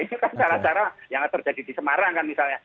itu kan cara cara yang terjadi di semarang kan misalnya